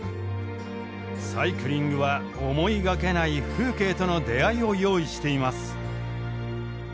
サイクリングは思いがけない風景との出会いを用意しています。